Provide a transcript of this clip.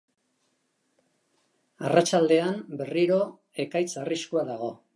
Arratsaldean berriro ekaitz arriskua dago.